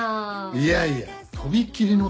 いやいや。